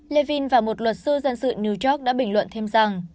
levin và một luật sư dân sự new york đã bình luận thêm rằng